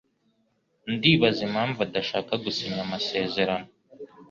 Ndibaza impamvu adashaka gusinya amasezerano.